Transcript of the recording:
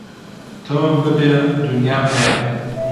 تۆم ببێ دونیام هەیە